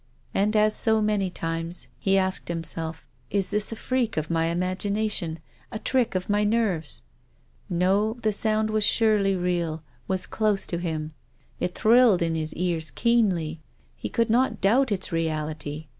And, as so many times, he asked himself :" Is this a freak of my imagination, a trick of my nerves ?" No, the sound was surely real, was close to him. It thrilled in his ears keenly. He could not doubt its reality.